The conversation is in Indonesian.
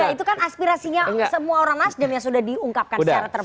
itu kan aspirasinya semua orang nasdem yang sudah diungkapkan secara terbuka